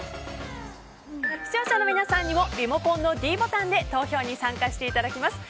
視聴者の皆さんにもリモコンのｄボタンで投票に参加していただきます。